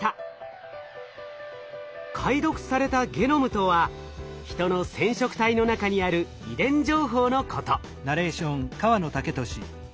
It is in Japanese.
解読されたゲノムとはヒトの染色体の中にある遺伝情報のこと。